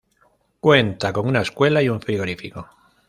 Cuenta con una escuela y un frigorífico.